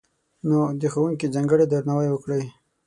نو، د ښوونکي ځانګړی درناوی وکړئ!